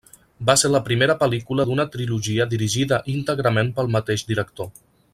Va ser la primera pel·lícula d'una trilogia dirigida íntegrament pel mateix director.